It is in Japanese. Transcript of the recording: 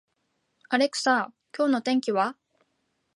アレクサ、今日の天気は